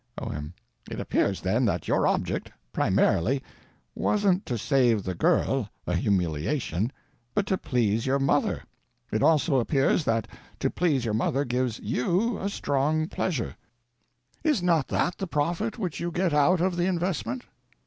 O.M. It appears, then, that your object, primarily, _wasn't _to save the girl a humiliation, but to _please your mother. _It also appears that to please your mother gives _you _a strong pleasure. Is not that the profit which you get out of the investment?